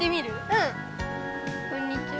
うん！こんにちは。